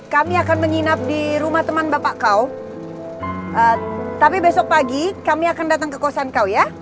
kami akan menginap di rumah teman bapak kau tapi besok pagi kami akan datang ke kosan kau ya